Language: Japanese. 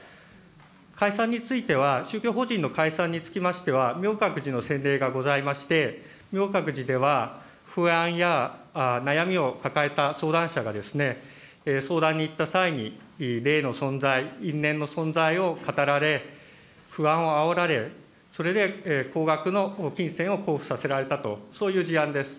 解散については、宗教法人の解散につきましては、明覚寺の先例がございまして、明覚寺では不安や悩みを抱えた相談者がですね、相談に行った際に、霊の存在、因縁の存在を語られ、不安をあおられ、それで高額の金銭をこうふさせられたと、そういう事案です。